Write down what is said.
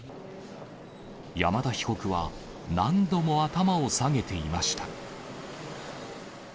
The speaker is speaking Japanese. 山田被告は何度も頭を下げていました。